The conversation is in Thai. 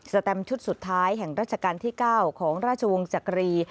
แตมชุดสุดท้ายแห่งราชการที่๙ของราชวงศ์จักรี